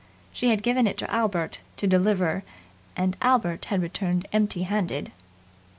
She had given it to Albert to deliver and Albert had returned empty handed.